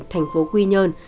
tp quy nhơn